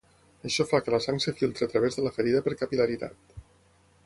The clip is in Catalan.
Això fa que la sang es filtri a través de la ferida per capil·laritat.